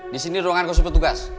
di sini ruangan khusus petugas